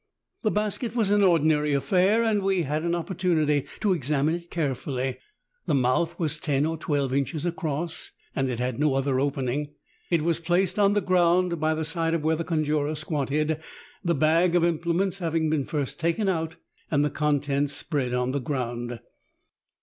The basket was an ordinary affair and we had an opportunity to examine it carefully ; the mouth was ten or twelve inches across, and it had no other opening. It was placed on the ground by the side of where the conjurer squatted, the bag of implements having been first taken out and the contents spread on the ground.